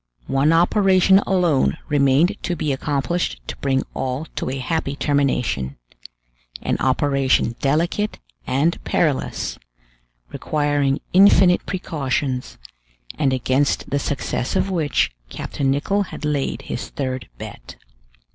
One operation alone remained to be accomplished to bring all to a happy termination; an operation delicate and perilous, requiring infinite precautions, and against the success of which Captain Nicholl had laid his third bet.